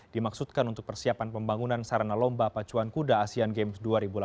dimaksudkan untuk persiapan pembangunan sarana lomba pacuan kuda asean games dua ribu delapan belas